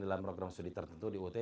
dalam program studi tertentu di ut